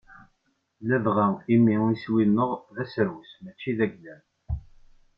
Ladɣa imi iswi-nneɣ d aserwes mačči d aglam.